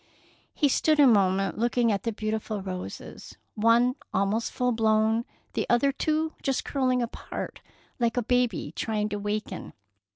He stood a moment looking at the beautiful roses, one almost full blown, the other two just curling apart, like a baby trying to waken.